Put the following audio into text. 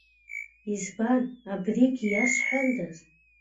Избан, абригьы иасҳәандаз!